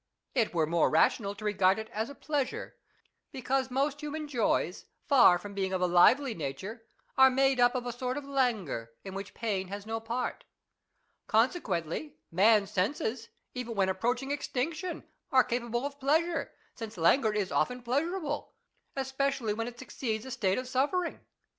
It were more rational to regard it as a pleasure ; because most human joys, far from being of a lively nature, are made up of a sort of languor, in which pain has no part. Consequently, man's senses, even when approaching extinction, are capable of pleasure ; since languor is often pleasurable, especially when it succeeds a state of suffering.